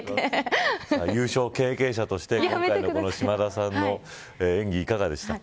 優勝経験者として今回の島田さんの演技、いかがでしたか。